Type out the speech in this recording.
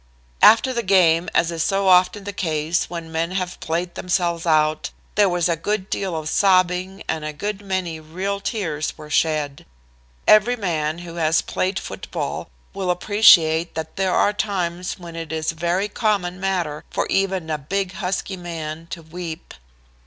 "After the game, as is so often the case when men have played themselves out, there was a good deal of sobbing and a good many real tears were shed. Every man who has played football will appreciate that there are times when it is a very common matter for even a big husky man to weep.